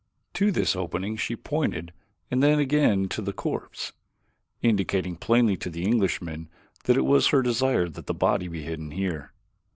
To this opening she pointed and then again to the corpse, indicating plainly to the Englishman that it was her desire that the body be hidden here.